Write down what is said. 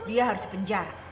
dia harus di penjara